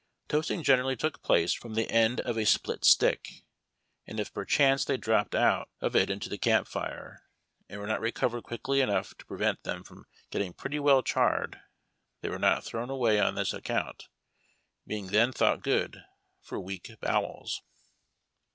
The toasting generally took place from the end of a split stick, and if perchance they dropped out of it into the camp hre, and were not recovered quickly enough to prevent them from getting pretty w^ell charred, they were not thrown away on that account, being then thought good for weak bowels.